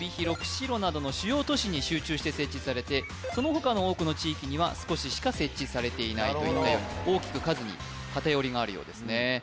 釧路などの主要都市に集中して設置されてその他の多くの地域には少ししか設置されていないといったように大きく数に偏りがあるようですね